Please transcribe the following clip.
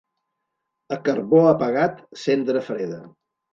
A carbó apagat, cendra freda.